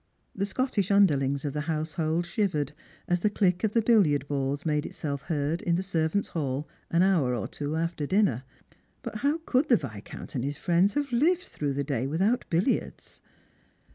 The Scottish underhngs of the household shivered as the cUck of the billiard balls made itself heard in the servants' hall an hour or two after dinner — but how could the Viscount and his friends have lived through the day without billiards